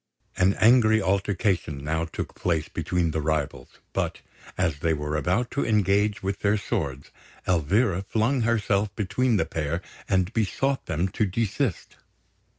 An angry altercation now took place between the rivals; but as they were about to engage with their swords, Elvira flung herself between the pair and besought them to desist.